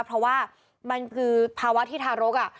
เพราะว่ามันคือภาวะที่ทารก